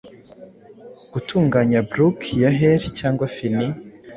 gutunganya Brook, ya hell cyangwa fini